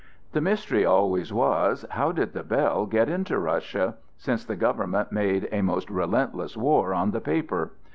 The mystery always was: How did "The Bell" get into Russia? since the government made a most relentless war on the paper.